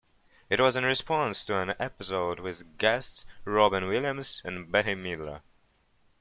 It was in response to an episode with guests Robin Williams and Bette Midler.